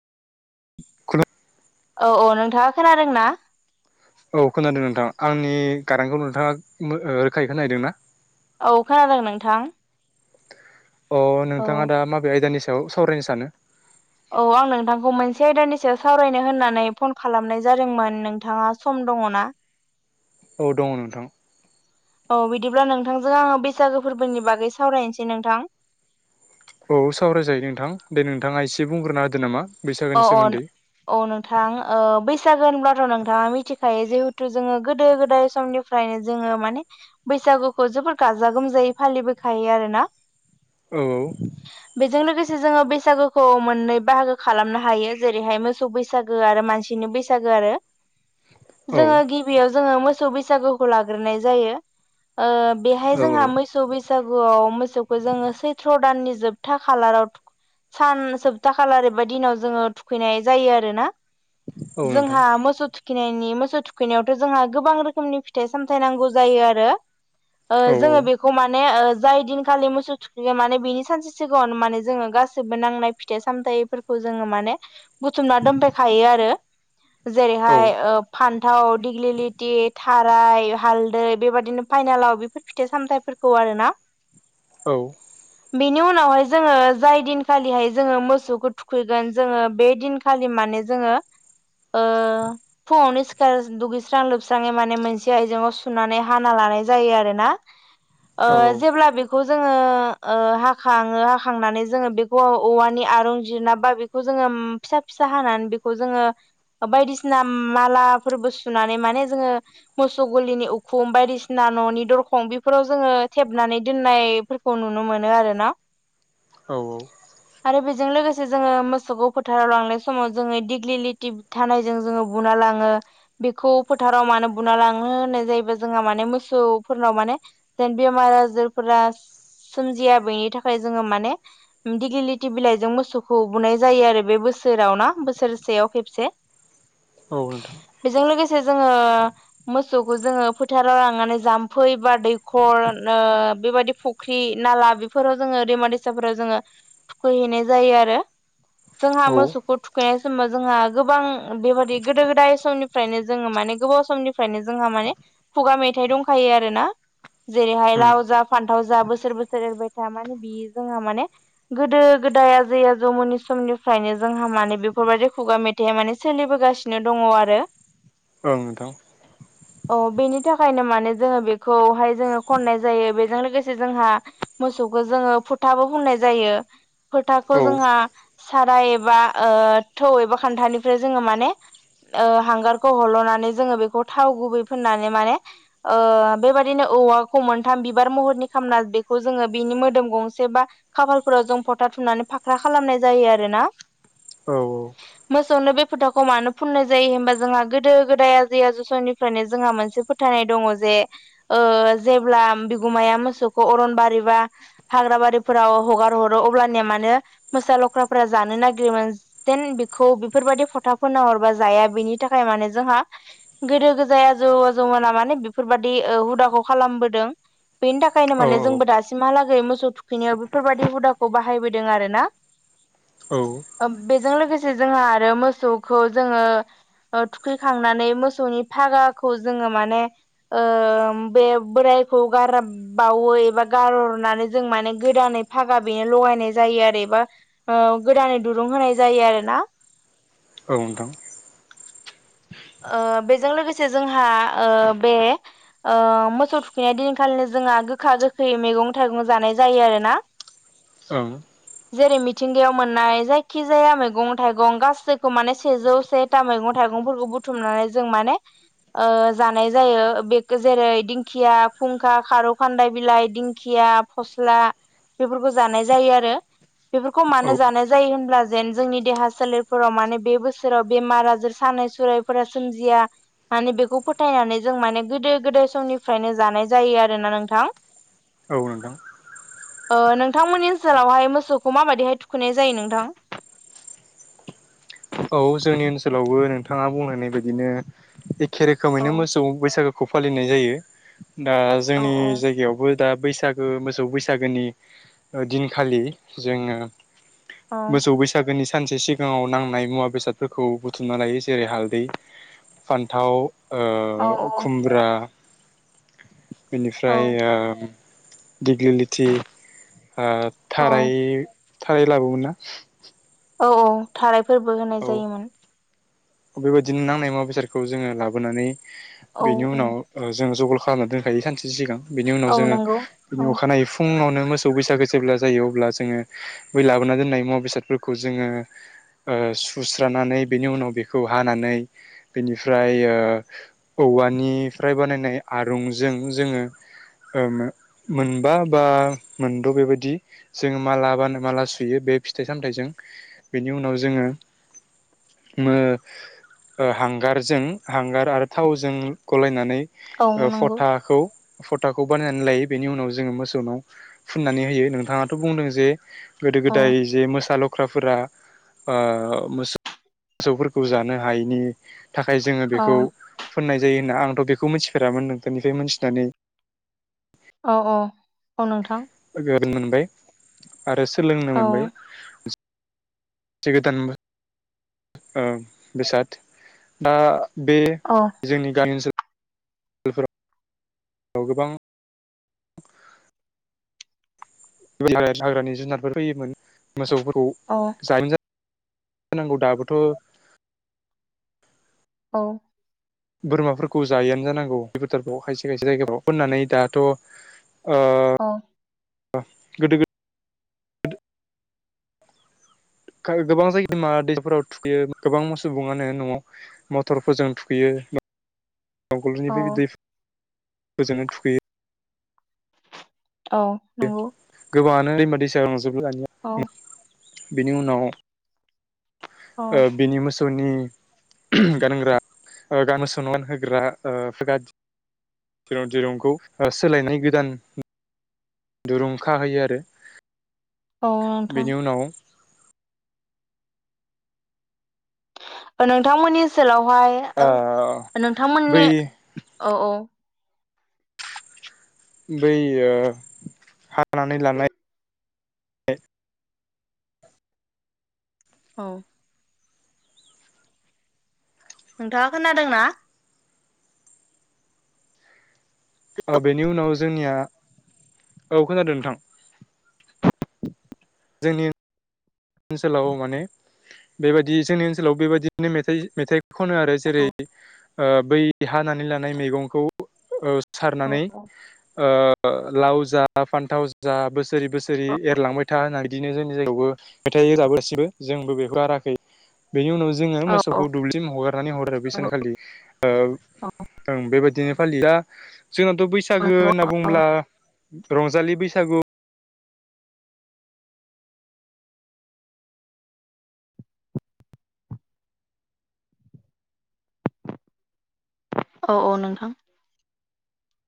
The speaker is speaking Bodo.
[unintelligible] औ - औ नोंथांङा खोनादों ना औ खोनादों नोंथां आंनि कारेन्टखौ नोंथांङा रोखायै खोनदों ना औ खोनादों नोंथां अ औ नोंथांङा दा माबे आयदानि सायाव सावरायनो सानो औ आं नोंथांखौ मोनसे आयदानि सायाव सावरायनो होननानै फन खालामनाय जादोंमोन नोंथांङा सम दंङो ना औ दङ नोंथां औ बिदिब्ला नोंथांजों आङो बैसागो फोरबोनि बागै सावरायनोसै नोंथां औ सावरायजायो नोंथां दे नोंथाङा एसे बुंग्रोना होदो नामा अ बैसागोनि सोमोन्दै अ औ नोंथां ओ बै सागो होनब्लाथ' नोंथाङा मिथिखायो जिहेथु जोङो गोदो-गोदाय समनिफ्रायनो जोङो माने बै सागुखौ जोबोर गाजा गोमजायै फालिबोखायो आरोोना औ लोगोसे जोङो बैसागोखौ मोननै बाहागो खालामनो हायो जेरैहाय मोसौ बैसागो आरो मानसिनि बैसागो आरो औ जोङो गिबियाव जोङो मोसौ बैसागुखौ लाग्रोनाय जायो ओ बेहाय औ जोंहा मोसौ बैसा सागुआव मोसौखो जोङो सैथ्र' दाननि जोबथा खालाराव सान सप्ता खालार बेबायदि दिनाव जोङो थुखैनाय जायो आरोना औ नोंथां जोंहा मोसौ थु खिनायनि मोसौ थुखैनायावथ' जोंहा गोबां रोखोमनि फिथाइ-सामथाय नांगौ जायो आरो ओ औ जोङो बेखौ माने ओ जाय दिनखालि मोसौ थुखैयो माने बिनि सानसे सिगाङाव माने जोङो गासैबो नांनाय फिथाइ-सामथायाइफोर खौ जोङो माने बुथुमना दोनफायखायो आरो औ जेरैहाय ओ फान्थाव दिग्लि लिटि थाराय हालदै बेबादिनो पाइनालाव बेफोर फिथाइ-सामथाइफोरखौ आरोना औ बिनि उनावहाय जोङो जाय दिनखालिहाय जोङो मोसौखौ थु खैगोन जोङो बे दिनखालि माने जोङो ओ फुङावनो सि दुगैस्रां लोबस्राङै माने मोनसे आयजेंआव सुनानै हाना लानाय जायो आरो ना ओ औ जेब्ला बेखौ जोङो ओ हाखाङो हाखांनानै जोङो बेखौ औवानि आरूं जिरना बा बिखौ जोङो ओम फिसा फिसा हानानै बेखौ जोङो बायदिसिना मालाफोरबो सुना माने जोङो मोसौ ग'लिनि उखुम बायदिसिना न'नि दरखं बेफोराव जोङो थेबनानै दोननायफोरखौ नुनो मोनो आरो ना औ औ बेजों लोगोसे जोङो मोसौखो फोथाराव लांनाय समाव जोङो दिग्लि लिटि धानायजों जोङो बुना लाङो। खौ फोथाराव मानो बुना लाङो होननाय जायोबा जोङा माने मोसौ फोरनाव माने जेन बेमार आ फोरा सोमजिया बेनि थाखाय जोङो माने दिगलि लिटि बिलाइ जों मोसौ खौ बुनाय जायो आरो बे बोसोराव ना बोसोरसेयाव खेबसे औ नोंथां बेजों लोगोसे जोङो मोसौखौ जोङो फोथाराव लांनानै जाम्फै बा दैखर ओ बेबायदि फुख्रि नाला बेफोराव जोङो दैमा-दैसाफोराव जोङो थुखैहैनाय जायो आरो जोंहा औ मोसौखो थुखैनाय समाव जोंहा गोबां बेबादि गोदो-गोदाय समनिफ्रायनो जोङो माने गोबाव समनिफ्रायनो जोंहा माने खुगा मेथाइ दंखायो आरोना जेरैहाय उम लाव जा फान- जा बोसोर बोसोर एरबाय था माने बियो जोंहा माने गोदो गोदाय आजै आजौ जौ मोननिनि समनिफ्रायनो जोंहा माने बेफोरबायदि खुगा मेथाइया माने सोलिबोगासिनो दङ' आरो ओं नोंथां औ बेनि थाखायनो माने जोङो बेखौहाय जोङो खननाय जायो बेजों लोगोसे जोंहा मोसौखो जोङो फोथाबो फोननाय जायो फोथाखौ औ जोंहा साराय एबा ओ थौ एबा खान्थानिफ्राय जोङो माने ओ हांगारखौ हल'नानै जोङो बेखौ थाव गुबै फोननानै माने ओ बेबादिनो औवाखौ मोनथाम बिबार महरनि खामना बेखौ जोङो बिनि मोदोम गंसे बा खाफालफोराव जों फ'था बुथुमनानै फाख्रा खालामनाय जायो आरोना औ औ मोसौनो बे फोथाखौ मानो फुननाय जायो हबा जोंहा गोदो गोदाया जैया जसयनिफ्रायनो जोंहा मोनसे फोथा फोथायनाय दङ जे जेब्ला बिगुमाया मोसौखौ अरन बारि बा हाग्रा बारिफोराव हगार हरो अब्लानिया मानोे मोसा लख्राफोरा जानो नागिरोमोन जेन बेखौ बेफोरबायदि फथाफोर नाहरबा जाया बेनि थाखाय माने जोंहा गोदो गोजाय आजौ आजौ मोना माने बेफोरबाददि हुदाखौ खालामबोदों बेनि थाखायनो औ माने जोंबो दासिमहालागै मोसौ थुखैनायाव बेफोरबायाददि हुदाखौ बाहायबोदों आरो ना [inaudible] बेजों लोगोसे जोंहा आरो मोसौखौ जोङो थुखैखांनानै मोसौ मोसौनि फागाखौ जोङो माने बे बोरायखौ गार बावो एबा गारहरनानै जों माने गोदानै फागा बेनो लगायनाय जायो आरो एबा गोदानै दुरुं होनाय जायो आरो ना औ नोंथां बेजों लोगोसे जोंहा बे मोसौ थुखैनाय दिनखालिनो जों जोंहा गोखा गोखै मैगं थाइगं जानाय जायो आरोना औ जेरै मिथिंगायाव मोननाय जायखिजाया मैगं थाइगं गासैखौ माने सेजौ सेथा मैगं थाइगं थाइगंफोरखौ बुथुम बुथुमनानै जों माने जानाय जायो बे जेरै दिंखिया खुंखा खार खारौ खान्दाय बिलाइ दिंखिया फस्ला बेफोरखौ जानाय जायो आरो बेफोरखौ औ मानो जानाय जायो होनब्ला जेन जोंनि देहा सोलेरफोराव माने बे बोसोराव बेमार आजार सान [unintelligible] फोरा सोमजिया माने बेखौ फोथायनानै जों माने गोदो गोदाय समनिफ्रायनो जानाय जायो आरो न नोंथां औ नोंथां नोंथांमोननि ओनसोलावहाय मोसौखौ माबादिहाय थुखैनाय जायो नोंथां [inaudible] औ जोंनि ओनसोलावबो नोंथाङा बुंहनाय बायदिनो एखे रोखोमैनो औ मोसौ बैसागो खौ फालिनाय जायो दा औ जोंनि जायगायावबो दा बैसागो मोसौ बैसागोनि दिनखालि जोङो औ मोसौ बैसागोनि सानसे सिगाङाव नांनाय मुवा बेसादफोरखौ बुथुमना लायो जेरै हालदै फान्थाव औ खुमब्रा औ बेनिफ्राय दिगलिलथि औ थाराइ ओ थाराइ लाबोमोनना औ औ थारायफोरबो होनाय जायोमोन बेबायदिनो नांनाय मुवा बेसादखौ जोङो लाबोनानै औ बेनि औ उनाव जोङो जग खालामना दोनखायो सानसे सिगां बिनि उनाव औ जोङो नंगौ बिनि औ अखानायै फुनावनो मोसौ बैसागो जेब्ला जायो अब्ला जोङो बै लाबोना दोननाय मुवा बेसादफोरखौ जोङो सुस्रानानै बेनि उनाव बे खौ हानानै बेनिफ्राय औवानिफ्राय बानायनाय आरुंजों जोङो मोनबा बा मोनद बेबायदि जोङ मालाबानो माला सुयो बे बे फिथाइ सामथाइजों बेनि उनाव जोङो हांगारजों हांगार आरो थावजों गलायनानै औ नंगौ फथाखौ फथखखौ बानायनानै लायो बेनि उनाव जोङो मोसौनाव फुननानै होयो नोंथाङाथ बुंदों जे गोदो औ गोदाय जे मोसा लख्राफोरा मो मोसौफोरखौ जानो हायैनि थाखाय जोङो औ बेखौ फोननाय जायो होनना आं आंथ बेखौ मिथिफेरामोन नोंथांनिफ्राय मिथिनानै औ औ औ नोंथां मोनबाय आरो सोलोंनो औ मोनबाय [unintelligible] गोदान बेसाद बे औ जोंनि गामि ओनसोलाव गोबां हाग्रानि जुनारफोर फैयोमोन मोसौफोरखौ जानो जा होनांगौ दाबोथ' औ बोरमाफोरखौ जायआानो जानांगौ बेपुटारफ्राव खायसे खायसे जायगाफ्राव फोननानै दाथ' औ गोदो गोद गोबां जाय [unintelligible] दैमा दैसाफोराव थुखैयो गोबां सुबुङानो न'आव मथरफोरजों थुखैयो आवगोलनि औ [unintelligible] थुखैयो औ नंगौ गोबाङानो दैमा दैसा औ [unintelligible] बिनि उनाव औ बिनि मोसौनि गानग्रा [unintelligible] होग्रा [unintelligible] दिरुंखौ सोलायनाय गोदान दुरुं खाहोयो आरो औ नोंथां बेनि उनाव नोंथांमोननि सोलाव ओ नोंथांमोननि बै औ औ बै हानानै लानाय औ नोंथाङा खोनादों ना? औ बेनि उनाव जोंनिया औ खोनादों नोंथां जोंनि ओनसोलाव माने बेबायदि जोंनि ओनसोलाव बेबायदिनो मेथाइ मेथाइ खनो आरो जेरै औ बै हानानै लानाय मैगंखौ सारनानै औ लाव जा फान्थाव जा बोसोरै बोसोरै औ एरलांबाय था होनना बिदिनो जोंनि जायगायावबो मेथाइ रोजाबो गासिबो जोंबो बेखौ गाराखै बेनि उनाव जोङो औ औ मोसौखौ दुब्लिथिं हगारनानै हरो बे नंगौ सानखालि ओं बेबायदिनो फालियो जोंनाथ' औ बैसागो नंगौ होनना औ बुंब्ला रंजालि बैसागु औ औ नोंथां